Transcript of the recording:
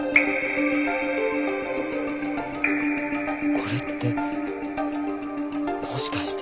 これってもしかして？